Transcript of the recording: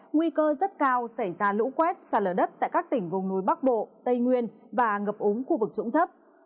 nguy cơ rất cao xảy ra lũ quét xa lở đất tại các tỉnh vùng núi bắc bộ tây nguyên và ngập úng khu vực rũng thấp